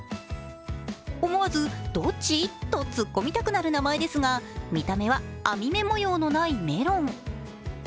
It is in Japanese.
思わずどっち？と突っ込みたくなる名前ですが、見た目は網目模様のないメロン。